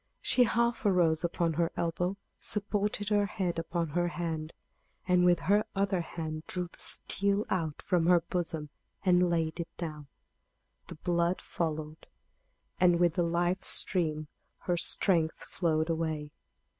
She half arose upon her elbow, supported her head upon her hand, and with her other hand drew the steel out from her bosom, and laid it down. The blood followed, and with the life stream her strength flowed away.